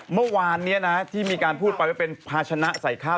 เมื่อวานนี้นะที่มีการพูดไปว่าเป็นภาชนะใส่ข้าว